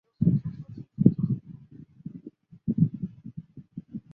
巴西隆沃泽。